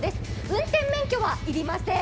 運転免許は要りません。